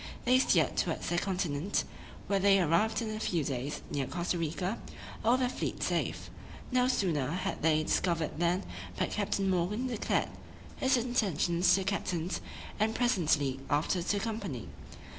They steered towards the continent, where they arrived in a few days near Costa Rica, all their fleet safe. No sooner had they discovered land but Captain Morgan declared his intentions to the captains, and presently after to the company.